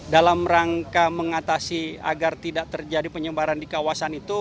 dalam rangka mengatasi agar tidak terjadi penyebaran di kawasan itu